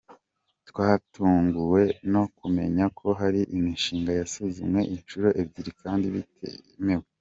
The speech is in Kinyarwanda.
Twatunguwe no kumenya ko hari imishinga yasuzumwe inshuro ebyiri kandi bitemewe.